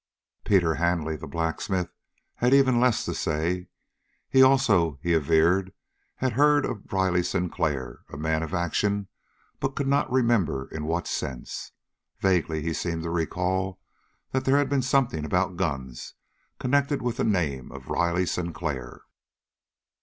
Pete Handley, the blacksmith, had even less to say. He also, he averred, had heard of a Riley Sinclair, a man of action, but he could not remember in what sense. Vaguely he seemed to recall that there had been something about guns connected with the name of Riley Sinclair.